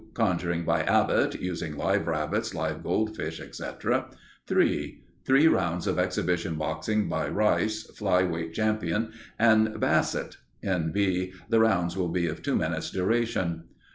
Conjuring by Abbott (using live rabbits, live goldfish, etc.). 3. Three Rounds of Exhibition Boxing by Rice (Fly weight Champion) and Bassett. N.B. The rounds will be of two minutes' duration.